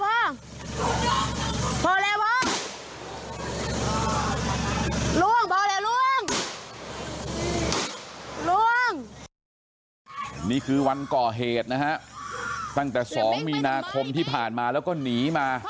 นี่คือวันก่อเหตุนะฮะตั้งแต่๒มีนาคมที่ผ่านมาแล้วก็หนีมา